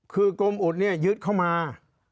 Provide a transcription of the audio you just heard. คือกรมอุดเนี่ยยึดเข้ามา